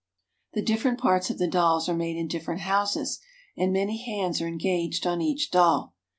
The different parts of the dolls are made in different houses, and many hands are engaged on each doll.